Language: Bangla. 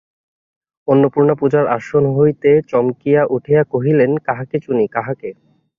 অন্নপূর্ণা পূজার আসন হইতে চমকিয়া উঠিয়া কহিলেন, কাহাকে চুনি, কাহাকে।